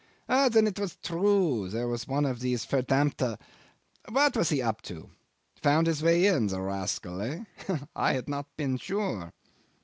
... Then it was true there was one of these verdammte What was he up to? Found his way in, the rascal. Eh? I had not been sure.